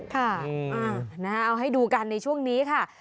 ค่ะเอาให้ดูกันในช่วงนี้ค่ะ